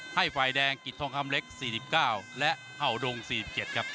ให้ฝ่ายแดงกริดทองคำเล็กสี่สิบเก้าและห่าวดงสี่สิบเจ็ดครับ